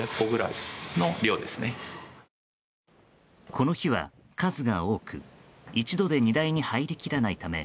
この日は数が多く一度で荷台に入りきらないため